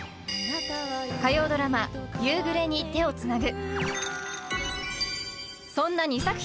火曜ドラマ「夕暮れに、手をつなぐ」